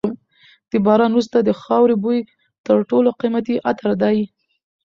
د باران وروسته د خاورې بوی تر ټولو قیمتي عطر دی.